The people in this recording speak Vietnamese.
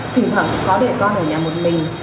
thỉnh thoảng có để con ở nhà một mình